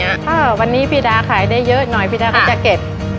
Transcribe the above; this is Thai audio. ถ้าวันนี้พี่ดาขายได้เยอะหน่อยพี่ดาก็จะเก็บ